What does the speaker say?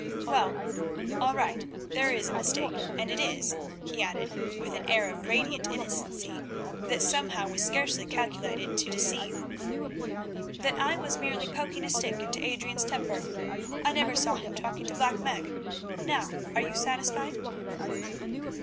Well, all right, there is a mistake, and it is," he added, with an air of radiant innocency that somehow was scarcely calculated to deceive, "that I was merely poking a stick into Adrian's temper. I never saw him talking to Black Meg. Now, are you satisfied?"